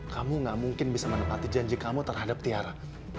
kamu gak mungkin bisa menepati janji kamu terhadap tiara